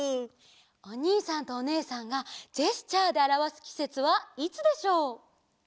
おにいさんとおねえさんがジェスチャーであらわすきせつはいつでしょう？